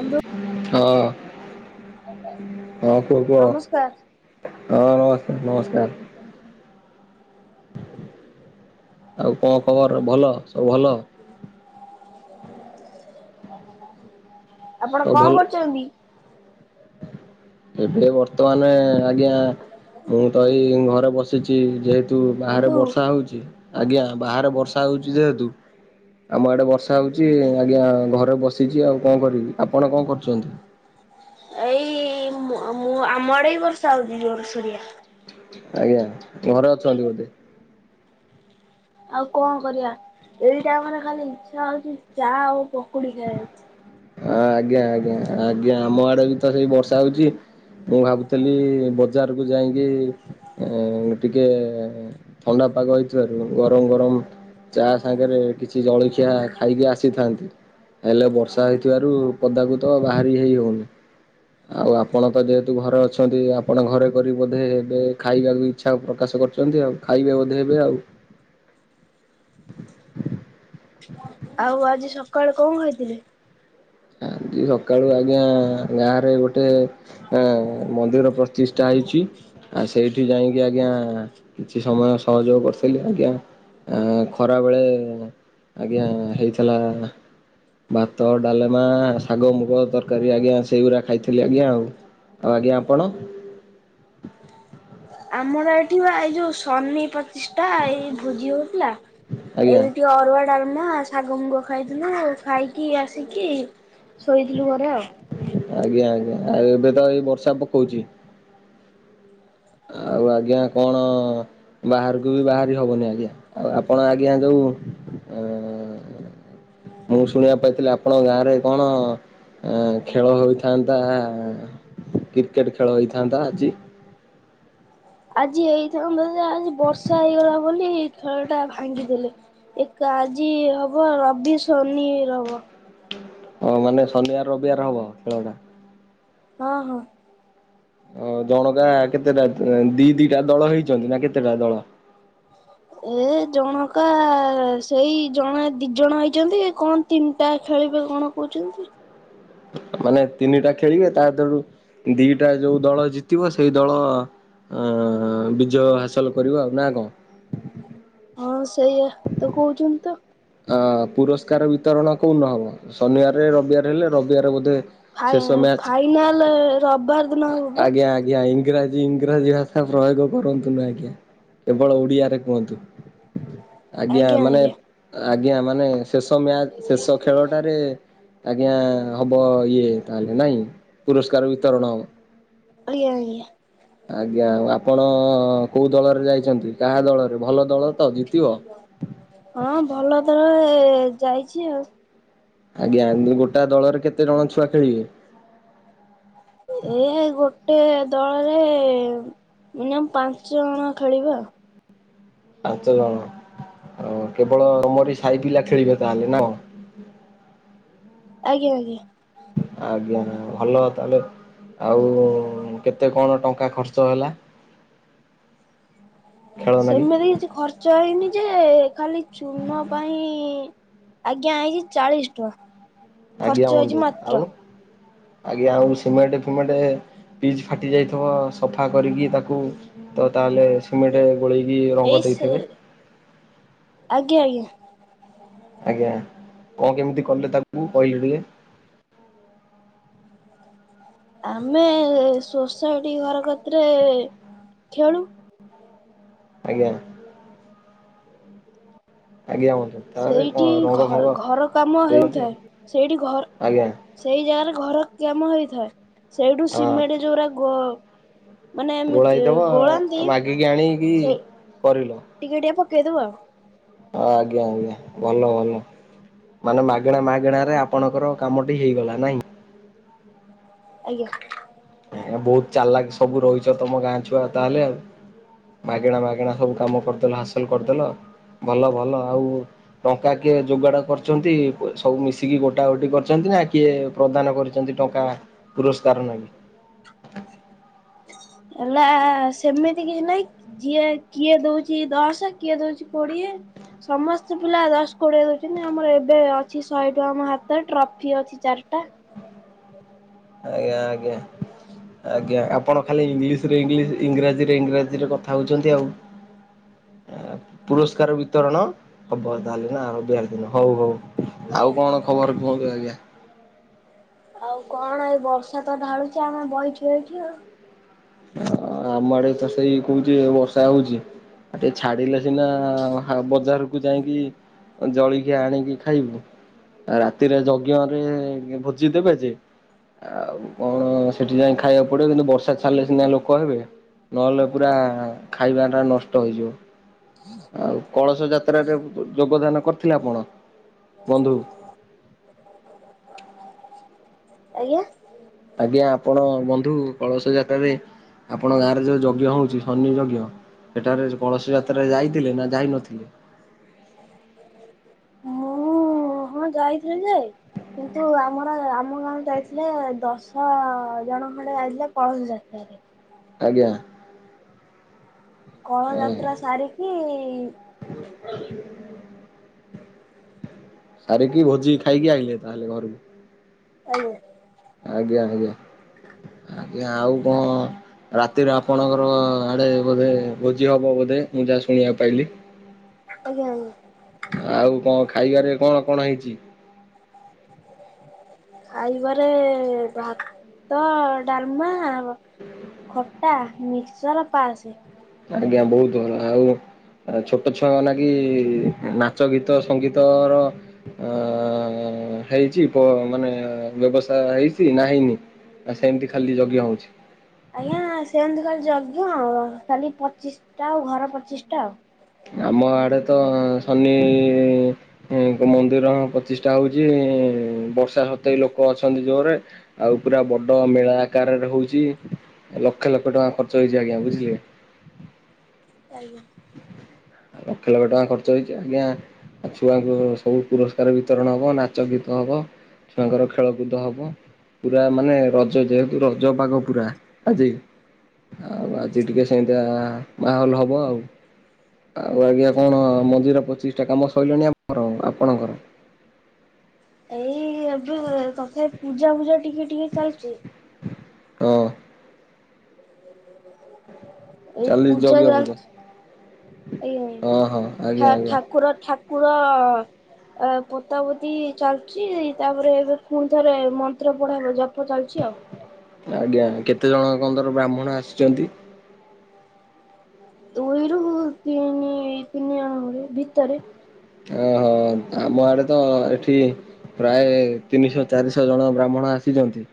ଅନ୍ତ ହଁ ହଁ କ କ ନମସ୍କାର ହଁ ନମସ୍କାର ନମସ୍କାର ଆଉ କଣ ଖବର ଭଲ ସବୁ ଭଲ ହ ଆପଣ ସବୁ କଣ ଭଲ କରୁଛନ୍ତି ଏବେ ବର୍ତ୍ତମାନ ଆଜ୍ଞା ମୁଁ ତ ଏଇ ଘରେ ବସି ଆସିଛି ଯେହେତୁ ବାହାରେ ବନ୍ଧୁ? ବର୍ଷା ହଉଛି ଆଜ୍ଞା ବାହାରେ ବର୍ଷା ହଉଛି ଯେହେତୁ। ଆମ ଆଡେ ବର୍ଷା ହଉଛି ଆଜ୍ଞା ଘରେ ବସିଛି ଆଉ କଣ କରିବି ଆପଣ କଣ କରୁଛନ୍ତି? ଏଇ ମୁଁ ଆ ଆମ ଆଡ଼େ ବି ବର୍ଷା ହଉଛି ଜୋରଷରିଆ। ଆଜ୍ଞା ଘରେ ଅଛନ୍ତି ବୋଧେ। ଆଉ କଣ କରିବା ଏଇଟା ଆମରେ ଖାଲି ଇଚ୍ଛା ହଉଛି ଚା ଆଉ ପକୁଡି ଖାଇଆକୁ। ଅ ଆଜ୍ଞା ଆଜ୍ଞା ଆଜ୍ଞା ଆମ ଆଡେ ବି ତ ସେଇ ବର୍ଷା ହଉଛି। ମୁଁ ଭାବୁଥିଲି ବଜାରକୁ ଯାଇକି ଟିକେ। ଥଣ୍ଡା ପାଗ ହେଇଥିବାରୁ ଗରମ ଗରମ। ଚା ସାଙ୍ଗରେ କିଛି ଜଳଖିଆ ଖାଇକି ଆସିଥାନ୍ତି ହେଲେ ବର୍ଷା ହେଇ। ଥିବାରୁ ପଦାକୁ ତ ବାହାରି ହେଇ ହେଉନି। ଆଉ ଆପଣ ତ ଯେହେତୁ ଘରେ ଅଛନ୍ତି ଆପଣ ଘରେ କରି ବୋଧେ ହେବେ ଖାଇବାକୁ ବି। ଇଚ୍ଛା ପ୍ରକାଶ କରିଛନ୍ତି ଆଉ ଖାଇବେ ବୋଧେ ଏବେ ଆଉ। ଆଉ ଆଜି ସକାଳେ କଣ ଖାଇଥିଲେ? ଆଜି ସକାଳୁ ଆଜ୍ଞା ଗାଁ ରେ ଗୋଟେ। ହଁ ମନ୍ଦିର ପ୍ରତିଷ୍ଠା ହେଇଛି। ଆଉ ସେଇଠି ଯାଇକି ଆଜ୍ଞା କିଛି ସମୟ ସହଯୋଗ କରିଥିଲି ଆଜ୍ଞା। ଆ ଖରା ବେଳେ ଆଜ୍ଞା ହେଇଥିଲା ଭାତ ଡାଲ ମା ଶାଗ ମୁଗ ତରକାରୀ ଆଜ୍ଞା ସେଇଗୁଡା ଖାଇଥିଲି ଆଜ୍ଞା ଆଉ ଆଉ ଆଜ୍ଞା ଆପଣ। ଆମର ଏଠି ବା ଏଇ ଯଉ ସନିପ ଷ୍ଟା ଏଇ ଭୁଜି ହଉଥିଲା ଆଜ୍ଞା ଏଇଠି ଅରୁଆ ଡାଲମା ଶାଗ ମୁଗ ଖାଇଥିଲୁ ଖାଇକି ଆସିକି ଶୋଇଥିଲୁ ଘରେ ଆଉ। ଆଜ୍ଞା ଆଜ୍ଞା ଆଉ ଏବେ ତ ଏଇ ବର୍ଷା ପକଉଛି। ଆଉ ଆଜ୍ଞା କଣ। ବାହାରକୁ ବି ବାହାରି ହବନି ଆଜ୍ଞା ଆଉ ଆପଣ ଆଜ୍ଞା ଯୋଉ ଅ [inaudible] ମୁଁ ଶୁଣିବାକୁ ପାଇଥିଲି ଆପଣଙ୍କ ଗାଁରେ କଣ ଖେଳ ହୋଇଥାନ୍ତା କ୍ରିକେଟ ଖେଳ ହେଇଥାନ୍ତା ଆଜି। ଆଜି ହେଇଥାନ୍ତା ଯେ ଆଜି ବର୍ଷା ହେଇଗଲା ବୋଲି ଖେଳ ଟା ଭାଙ୍ଗିଦେଲେ। ଏକ ଆଜି ହବ ରବି ଶନି ରବ। ହଁ ମାନେ ଶନିବାର ରବିବାର ହବ ଖେଳ ଟା। ହଁ ହଁ। ଆ ଜଣକା କେତେଟା ଦି ଦିଟା ଦଳ ହେଇଛନ୍ତି ନା କେତେଟା ଦଳ? ଏ ଜଣକା ସେଇ ଜଣେ ଦି ଜଣ ହେଇଛନ୍ତି କଣ ତିନିଟା ଖେଳିବେ କଣ କହୁଛନ୍ତି। ମାନେ ତିନିଟା ଖେଳିବେ ତା ଦେରୁ ଦିଟା ଯୋଉ ଦଳ ଜିତିବ ସେଇ ଦଳ ବିଜୟ ହାସଲ କରିବ ଆଉ ନା କଣ। ହଁ ସେଇଆ ତ କହୁଛନ୍ତି ତ। ଅ ପୁରସ୍କାର ବିତରଣ କୋଉ ନହବ ଶନିବାରରେ ରବିବାର ହେଲେ ରବିବାର ବୋଧେ। ଫାଇ ଶେଷ ମ୍ୟାଚ ଫାଇନାଲ ରବିବାର ଦିନ ହବ ବା ଆଜ୍ଞା ଆଜ୍ଞା ଇଂରାଜୀ ଆ ଇଂରାଜୀ ଭାଷା ପ୍ରୟୋଗ କରନ୍ତୁନୁ ଆଜ୍ଞା କେବଳ ଓଡିଆରେ କୁହନ୍ତୁ। ଆଜ୍ଞା ମାନେ ଆଜ୍ଞା ମାନେ ଶେଷ ମ୍ୟାଚ ଶେଷ ଖେଳଟାରେ ଆଜ୍ଞା ହବ ଇଏ ତାହେଲେ ନାଇଁ ପୁରସ୍କାର ବିତରଣ ହବ। ଖାଲି [unintelligible] ଆଜ୍ଞା ଆ ଆପଣ କୋଉ ଦଳରେ ଯାଇଛନ୍ତି କାହା ଦଳରେ ଭଲ ଦଳ ତ ଜିତିବ। ହଁ ଭଲ ଦଳରେ ଯାଇଛି ଆଉ। ଆଜ୍ଞା ଏ ଗୋଟା ଦଳରେ କେତେ ଜଣ ଛୁଆ ଖେଳିବେ? ଏ ଗୋଟେ ଦଳରେ ମିନିଅମ୍ ପାଞ୍ଚ ଜଣ ଖେଳିବେ ଆ। ପାଞ୍ଚ ଜଣ ଆ କେବଳ ଆମରି ସାହି ପିଲା ଖେଳିବେ ତାହେଲେ ନା କଣ? ଆଜ୍ଞା ଆଜ୍ଞା। ଆଜ୍ଞା ଭଲ ତାହେଲେ ଆଉ କେତେ କଣ ଟଙ୍କା ଖର୍ଚ୍ଚ ହେଲା? ଖେଳ ନାଗି? ସେମିତି କିଛି ଖର୍ଚ୍ଚ ହେଇନି ଯେ ଖାଲି ଚୂନ ପାଇଁ ଆଜ୍ଞା ଏଇ ଚାଳିଶ ଟଙ୍କା। ଆଜ୍ଞା ଖର୍ଚ୍ଚ ହେଇଛି ବନ୍ଧୁ ମାତ୍ର ଆଉ ଆଜ୍ଞା ଆଉ ସିମେଣ୍ଟ ଫିମେଣ୍ଟ ପିଚ୍ ଫାଟି ଯାଇଥିବ ସଫା କରିକି ତାକୁ ତ ତାହେଲେ ସିମେଣ୍ଟରେ ଗୋଳେଇକି ଏଇ ରଙ୍ଗ ସେ ଦେଇଥିବେ। ଆଜ୍ଞା ଆଜ୍ଞା। ଆଜ୍ଞା କଣ କେମିତି କଲେ ତାକୁ କହିଲି ଟିକେ? ଆମେ ସୋସାଇଟି ଘର କତିରେ ଖେଳୁ। ଆଜ୍ଞା। ଆଜ୍ଞା ବନ୍ଧୁ। ତାପରେ କଣ ସେଇଠି ରଙ୍ଗ ଘ ଫଙ୍ଗ ଘର କାମ ଦେଇଛନ୍ତି ହେଉଥାଏ ସେଇଠି ଘର ଆଜ୍ଞା ସେଇ ଜାଗାରେ ଘର କାମ ହେଇଥାଏ ସେଇଠୁ ହଁ ସିମେଣ୍ଟ ଯୋଉରା ଗୋ ମାନେ ଏମ ଗୋଳାଇଦବ ଗୋଳାନ୍ତି ମାଗିକି ଆଣିକି ସେଇ କରିଲ ଟିକେ ଟିକେ ପକେଇ ଦୋଉ ଆଉ। ଆ ଆଜ୍ଞା ଆଜ୍ଞା ଭଲ ଭଲ। ମାନେ ମାଗେଣା ମାଗେଣା ରେ ଆପଣଙ୍କର କାମ ଟି ହେଇଗଲା ନାହିଁ। ଆଜ୍ଞା। ବୋହୁତ୍ ଚାଲାକ ସବୁ ରହିଚ ତମ ଗାଁ ଛୁଆ ତାହେଲେ ଆଉ। ମାଗେଣା ମାଗେଣା ସବୁ କାମ କରିଦେଲ ହାସଲ କରିଦେଲ ଭଲ ଭଲ ଆଉ ଟଙ୍କା କିଏ ଯୋଗାଡ କରିଚନ୍ତି ସବୁ ମିଶିକି ଗୋଟା ଗୋଟି କରିଚନ୍ତି ନା କିଏ ପ୍ରଦାନ କରିଚନ୍ତି ଟଙ୍କା ପୁରସ୍କାର ନେଇକି। ହେଲା ସେମିତି କିଛି ନାଇଁ ଯିଏ କିଏ ଦଉଚି ଦଶ କିଏ ଦଉଚି କୋଡିଏ। ସମସ୍ତେ ପିଲା ଦଶ କୋଡିଏ ଦଉଚନ୍ତି ଆମର ଏବେ ଅଛି ଶହେ ଟଙ୍କା ମୋ ହାତରେ ଟ୍ରଫି ଅଛି ଚାରିଟା। ଆଜ୍ଞା ଆଜ୍ଞା। ଆଜ୍ଞା ଆପଣ ଖାଲି ଇଂଲିଶରେ ଇଂଶ ଇଂରାଜୀରେ ଇଂରାଜୀରେ କଥା ହଉଚନ୍ତି ଆଉ। ପୁରସ୍କାର ବିତରଣ ହବ ତାହେଲେ ନା ଆ ବିହାରି ଦିନ ହଉ ହଉ। ଆଜ୍ଞା ଆଉ କଣ ଖବର କୁହନ୍ତୁ ଆଜ୍ଞା। ଆଉ କଣ ଏଇ ବର୍ଷା ତ ଢାଳୁଚି ଆମେ ବଇ ଚୁ ଏଇଠି ଆଉ। ଆମ ଆଡେ ତ ସେଇ କଉଚି ବର୍ଷା ହଉଚି। ଆ ଟିକେ ଛାଡିଲେ ସିନା ହା ବଜାରକୁ ଯାଇକି ଜଳିକି ଆଣିକି ଖାଇବୁ। ରାତିରେ ଯଜ୍ଞ ରେ ଭୋଜି ଦେବେ ଯେ ଆଉ କଣ ସେଠି ଯାଇକି ଖାଇବାକୁ ପଡିବ କିନ୍ତୁ ବର୍ଷା ସିନା ଲୋକ ହେବେ ନହେଲେ ପୁରା ଖାଇବାଟା ନଷ୍ଟ ହେଇଯିବ। ହୁଁ ଆଉ କଳସ ଯାତ୍ରାରେ ଯୋଗଦାନ କରିଥିଲେ ଆପଣ ବନ୍ଧୁ। ଆଜ୍ଞା। ଆଜ୍ଞା ଆପଣ ବନ୍ଧୁ କଳସ ଯାତ୍ରାରେ ଆପଣଙ୍କ ଗାଁରେ ଯେଉଁ ଯଜ୍ଞ ହେଉଚି ସନି ଯଜ୍ଞ ସେଠାରେ କଳସ ଯାତ୍ରା ଯାଇଥିଲେ ନା ଯାଇ ନଥିଲେ। ମୁଁ ହଁ ଯାଇଥିଲି ଯେ କିନ୍ତୁ ଆମର ଆମ ଗାଁରେ ଯାଇଥିଲେ ଦଶ ଜଣ ଖଣ୍ଡେ ଯାଇଥିଲେ କଳସ ଯାତ୍ରାରେ। ଆଜ୍ଞା। କଳଯାତ୍ରା ସାରିକି [inaudible] ସାରିକି ଭୋଜି ଖାଇକି ଆଇଲେ ତାହେଲେ ଘରକୁ। ଆଜ୍ଞା। ଆଜ୍ଞା ଆଜ୍ଞା ଆଜ୍ଞା ଆଉ କ ରାତିରେ ଆପଣଙ୍କର ଆଡେ ବୋଧେ ଭୋଜି ହବ ବୋଧେ ମୁଁ ଜା ଶୁଣିବାକୁ ପାଇଲି। ଆଜ୍ଞା ଆଜ୍ଞା। ଆଉ କଣ ଖାଇବାରେ କଣ କଣ ହେଇଚି। ଖାଇବାରେ ଭାତ ଡାଲମା ଖଟା ମିକ୍ସଚର ପାସେ। ଆଜ୍ଞା ବୋହୁତ ଭଲ ଆଉ। ଛୋଟ ଛୁଆ ନାକି ନାଚ ଗୀତ ସଙ୍ଗୀତ ର ଅ ହେଇଚି ପ ମାନେ ବ୍ୟବସାୟ ହେଇଚି ନା ହେଇନି। ନା ସେମିତି ଖାଲି ଯଜ୍ଞ ହଉଛି। ଆଜ୍ଞା ସେମ୍ ନ୍ତି ଖାଲି ଯଜ୍ଞ କାଲି ପଚିଶଟା ଆଉ ଘର ପଚିଶ ଟା ଆଉ। ଆମ ଆଡେ ତ ସନି ମନ୍ଦିର ପ୍ରତିଷ୍ଠା ହଉଚି ବର୍ଷା ସତେବି ଲୋକ ଅଛନ୍ତି ଜୋରେ। ଆଉ ପୁରା ବଡ ମେଳା ଆକାରରେ ହୋଉଚି ଲକ୍ଷେ ଲକ୍ଷେ ଟଙ୍କା ଖର୍ଚ୍ଚ ହେଇଚି ଆଜ୍ଞା ବୁଝିଲେ। ଆଜ୍ଞା। ଲକ୍ଷ ଲକ୍ଷ ଟଙ୍କା ଖର୍ଚ୍ଚ ହେଇଛି ଆଜ୍ଞା। ଆଉ ଛୁଆଙ୍କୁ ସବୁ ପୁରସ୍କାର ବିତରଣ ହବ, ନାଚ ଗୀତ ହବ। ଛୁଆଙ୍କର ଖେଳକୁଦ ହବ। ପୁରା ମାନେ ରଜ ଯେହେତୁ ରଜ ପାଗ ପୁରା ଆଜି। ଆଉ ଆଜି ଟିକେ ସେମିତିଆ ମାହୋଲ ହବ ଆଉ। ଆଉ ଆଜ୍ଞା କଣ ମନ୍ଦିର ପଚିଶ ଟା କାମ ସରିଲଣି ଆ ହର ଆପଣଙ୍କର ଏଇ ଏବେ ତଥା ପୂଜା ଫୂଜା ଟିକେ ଟିକେ ଚାଲିଛି। ହଁ ଅଁ ଏଇ ଚାଲି ପୂଜାଚ ଯଜ୍ଞ ପୂଜା ଚାଲିଛି, ଏଇ ହଁ ହଁ ଠା ଆଜ୍ଞା ଆଜ୍ଞା। ଠାକୁ କୁର ଠାକୁର ଠାକୁର ଆ ପୋତାପୋତି ଚାଲିଚି ତାପରେ ଏବେ ପୁଣି ଥରେ ମନ୍ତ୍ର ପଢା ହବ ଜପ ଚାଲିଛି ଆଉ। ଆଜ୍ଞା, କେତେ ଜଣ କନ୍ଦର ବ୍ରାହ୍ମଣ ଆସିଛନ୍ତି? ଦୁଇରୁ ତିନି ତିନି ଜଣ ହରେ ଭିତରେ। ଓହୋ, ଆମ ଆଡେ ତ ଏଠି ପ୍ରାୟ ତିନିଶହ ଚାରିଶହ ଜଣ ବ୍ରାହ୍ମଣ ଆସିଛନ୍ତି।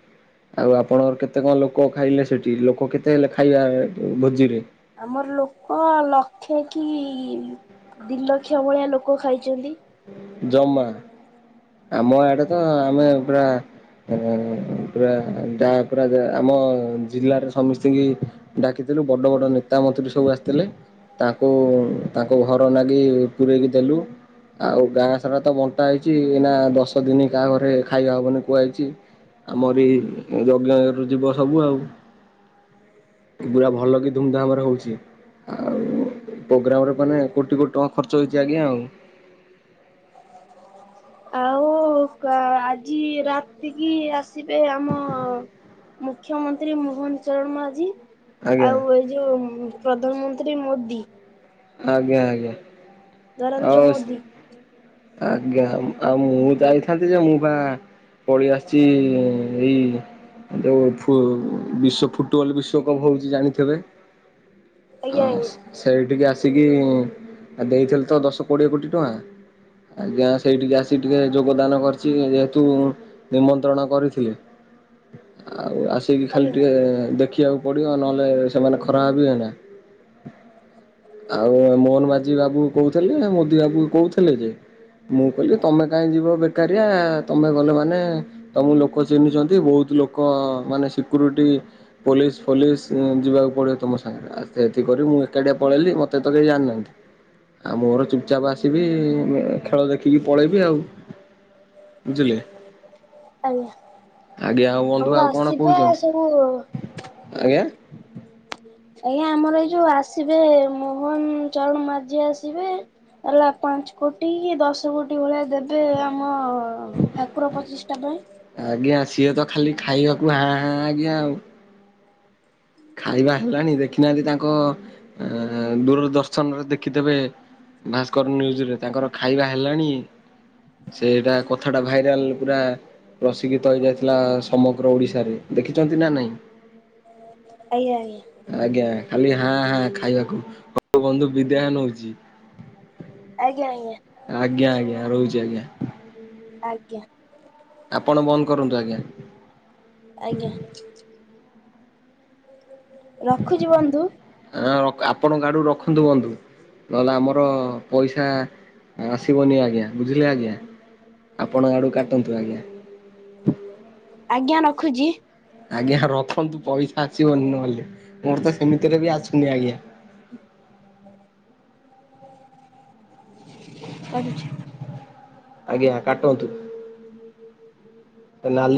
ଆଉ ଆପଣଙ୍କର କେତେ କଣ ଲୋକ ଖାଇଲେ ସେଠି, ଲୋକ କେତେ ହେଲେ ଖାଇବା ଭୋଜିରେ? ଆମର ଲୋକ ଲକ୍ଷେ କି, ଦି ଲକ୍ଷ ଭଳିଆ ଲୋକ ଖାଇଛନ୍ତି। ଜମା, ଆମ ଆଡେ ତ ଆମେ ପୁରା ହ ପୁରା ଯାହା ପୁରା ଆମ ଜିଲ୍ଲାରେ ସମସ୍ତିଙ୍କି ଡାକିଥିଲୁ, ବଡ ବଡ ନେତା, ମନ୍ତ୍ରୀ ସବୁ ଆସିଥିଲେ। ତାଙ୍କୁ, ତାଙ୍କ ଘର ନାଗି ପୂରେଇକି ଦେଲୁ ଆଉ। ଗାଁ ସାରା ତ ବଣ୍ଟା ହେଇଛି, ଏନା ଦଶ ଦିନ କାହା ଘରେ ଖାଇବା ହବନି କୁହାଯାଇଛି। ଆମରି ଏଇ ଯଜ୍ଞରୁ ଯିବ ସବୁ ଆଉ। ପୁରା ଭଲ କି ଧୁମଧାମରେ ହଉଛି। ଆଉ ପ୍ରୋଗ୍ରାମରେ ମାନେ କୋଟି କୋଟି ଟଙ୍କା ଖର୍ଚ୍ଚ ହେଇଛି ଆଜ୍ଞା ଆଉ। ହଁ ଆଜି ରାତିକି ଆସିବେ ଆମ ମୁଖ୍ୟମନ୍ତ୍ରୀ ମୋହନ ଚରଣ ମାଝୀ। ଆଜ୍ଞା ଆଉ ଏଇ ଯୋଉ ପ୍ରଧାନମନ୍ତ୍ରୀ ମୋଦି ଆଜ୍ଞା, ଆଜ୍ଞା, ନରେନ୍ଦ୍ର ଆଉ ମୋଦି ଆଜ୍ଞା, ଆଉ ମୁଁ ଯାଇଥାନ୍ତି ଯେ ମୁଁ ପା ଫେରି ଆସିଛି ଏଇ ଯୋଉ ବିଶ୍ଵ ଫୁଟବଲ ବିଶ୍ଵକପ୍ ହଉଛି ଜାଣିଥିବେ? ଆଜ୍ଞା, ଆଜ୍ଞା। ସେଇଠିକି ଆସିକି ଦେଇଥିଲେ ତ ଦଶ କୋଡିଏ କୋଟି ଟଙ୍କା। ଆଜ୍ଞା ସେଇଠିକି ଆସିିକ ଟିକେ ଯୋଗଦାନ କରିଛି, ଯେହେତୁ ନିମନ୍ତ୍ରଣ କରିଥିଲି ଆଉ ଆ ସେକି ଖାଲି ଆଜ୍ଞା ଟିକେ ଦେଖିବାକୁ ପଡ଼ିବ, ନହେଲେ ସେମାନେ ଖରା ହେ ବି ହୁଏନା ଆଉ ମୋହନ ମାଝି ବାବୁ କହୁଥିଲେ, ମୋଦି ବାବୁ କହୁଥିଲେ ଯେ ମୁଁ କହିଲି ତମେ କାହିଁ ଯିବ ବେକାରିଆ, ତମେ ଗଲେ ମାନେ ତମ ଲୋକ ଚିହ୍ନିଛନ୍ତି, ବହୁତ ଲୋକ ମାନେ ସିକ୍ୟୁରିଟି ପୋଲିସ ଫୋଲିସ ଯିବାକୁ ପଡିବ ତମ ସାଙ୍ଗରେ, ଆସ୍ତେ ଆସ୍ତେ କରି ମୁଁ ଏକାଟିଆ ପଳେଇଲି ମତେ ତ କେହି ଜାଣିନାହାନ୍ତି ଆଉ ମୋର ଚୁପଚାପ ଆସିବି ଖେଳ ଦେଖିକି ପଳେଇବି ଆଉ ବୁଝିଲେ? ଆଜ୍ଞା, ଆଜ୍ଞା ଆଉ ବନ୍ଧୁ ଆଉ ଆମର କଣ ଆସିବା କହୁଛନ୍ତି ସବୁ ଆଜ୍ଞା। ଆଜ୍ଞା ଆମର ଏଇ ଯୋଉ ଆସିବେ, ମୋହନ ଚରଣ ମାଝି ଆସିବେ ହେଲା ପାଞ୍ଚ କୋଟି, କି ଦଶ କୋଟି ଭଳିଆ ଦେବେ ଆମ ଠାକୁର ପଚିଷ୍ଟା ପାଇଁ ଆଜ୍ଞା ସିଏ ତ ଖାଲି ଖାଇବାକୁ ହାଁ ହଁ ଆଜ୍ଞା ଆଉ ଖାଇବା ହେଲାଣି ଦେଖିନାହାନ୍ତି ତାଙ୍କ ଅ ଦୂର ଦର୍ଶନରେ ଦେଖିଦେବେ ଭାସ୍କର ନ୍ୟୁଜ୍ରେ ତାଙ୍କର ଖାଇବା ହେଲାଣି ସେଇଟା କଥା ଟା ଭାଇରାଲ ପୁରା ପ୍ରଶିକ୍ଷିତ ହୋଇଇଯାଇଥିଲା ସମଗ୍ର ଓଡ଼ିଶାରେ ଦେଖିଛନ୍ତି ନା ନାହିଁ? ଆଜ୍ଞା ଆଜ୍ଞା। ଆଜ୍ଞା ଖାଲି ହଁ ହଁ ଖାଇବାକୁ ହ ବନ୍ଧୁ ବିଦହ ନଉଛି ଆଜ୍ଞା ଆଜ୍ଞା। ଆଜ୍ଞା ଆଜ୍ଞା ରହୁଛି ଆଜ୍ଞା ଆଜ୍ଞା। ଆପଣ ବନ୍ଦ କରନ୍ତୁ ଆଜ୍ଞା ଆଜ୍ଞା ରଖୁଛି ବନ୍ଧୁ। ହଁ ଆପଣଙ୍କ ଆଡୁ ରଖନ୍ତୁ ବୁନ୍ତୁ ନହେଲେ ଆମର ପଇସା ଆସିବନି ଆଜ୍ଞା ବୁଝିଲେ ଆଜ୍ଞା ଆପଣ ଆଡ଼ୁ କାଟନ୍ତୁ ଆଜ୍ଞା ଆଜ୍ଞା ରଖୁଛି? ଆଜ୍ଞା ରଖନ୍ତୁ ପଇସା ଆସିବନି ନହେଲେ ମୋର ତ ସେମିତିରେ ବି ଆସୁନି ଆଜ୍ଞା କରୁଛି। ଆଜ୍ଞା କାଟନ୍ତୁ ନାଲି